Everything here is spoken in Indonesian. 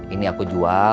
ini aku jual